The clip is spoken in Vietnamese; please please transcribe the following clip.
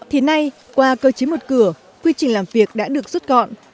thì nay qua cơ chế một cửa quy trình làm việc đã được rút gọn